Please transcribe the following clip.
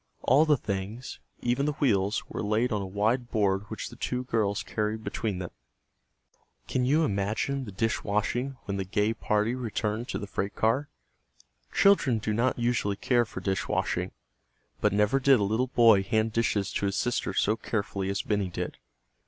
All the things, even the wheels, were laid on a wide board which the two girls carried between them. [Illustration: Benny discovered his beloved "pink cup"] Can you imagine the dishwashing when the gay party returned to the freight car? Children do not usually care for dishwashing. But never did a little boy hand dishes to his sister so carefully as Benny did.